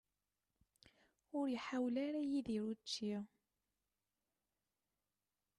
Ur iḥawel ara Yidir učči.